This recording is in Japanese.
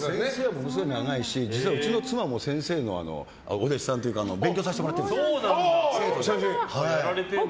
ものすごい長いし実は、うちの妻も先生のお弟子さんというか勉強させてもらってるんです。